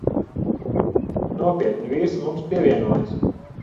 Nopietni. Vīrs mums pievienojas.